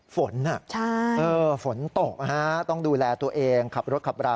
ฝนอ่ะฝนตกนะฮะต้องดูแลตัวเองขับรถขับรา